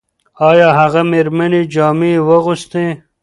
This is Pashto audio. ایا هغه مېرمنې جامې واغوستې؟